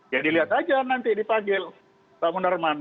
ya dilihat aja nanti dipanggil pak munarman